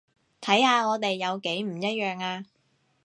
睇下我哋有幾唔一樣呀